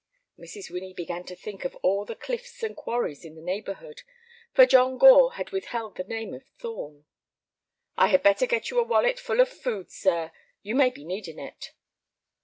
Mrs. Winnie began to think of all the cliffs and quarries in the neighborhood, for John Gore had withheld the name of Thorn. "I had better get you a wallet full of food, sir; you may be needing it."